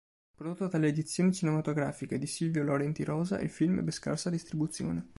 Prodotto dalle Edizioni Cinematografiche di Silvio Laurenti Rosa il film ebbe scarsa distribuzione.